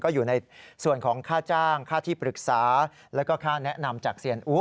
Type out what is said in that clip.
อยู่ในส่วนของค่าจ้างค่าที่ปรึกษาแล้วก็ค่าแนะนำจากเซียนอู๋